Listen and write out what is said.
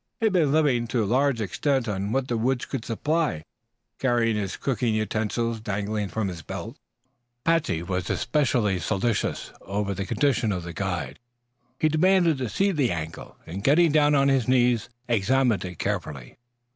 He had been living, to a large extent, on what the woods could supply, carrying his cooking utensils dangling from his belt. Patsey was especially solicitous over the condition of the guide. He demanded to see the ankle, and getting down on his knees examined it carefully.